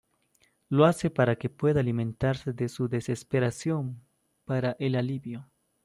Lo hace, para que pueda alimentarse de su "desesperación" para el alivio.